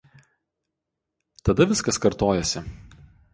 Tada viskas kartojasi.